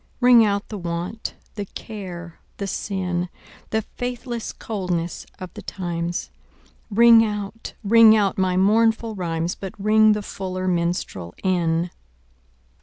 Ring out the want, the care the sin, The faithless coldness of the times; Ring out, ring out my mournful rhymes, But ring the fuller minstrel in.